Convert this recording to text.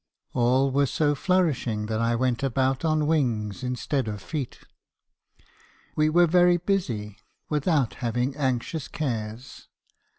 All was so nourishing that I went about on wings instead of feet. We were very busy, without having anxious cares.